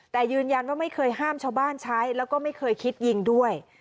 แต่ยืนยันว่าไม่เคยห้ามชาวบ้านใช้แล้วก็ไม่เคยคิดยิงด้วย